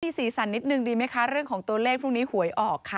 มีสีสันนิดนึงดีไหมคะเรื่องของตัวเลขพรุ่งนี้หวยออกค่ะ